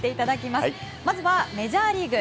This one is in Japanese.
まずはメジャーリーグ